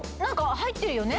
入ってるよね？